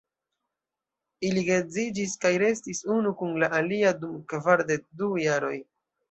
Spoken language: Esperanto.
Ili geedziĝis kaj restis unu kun la alia dum kvardek-du jaroj.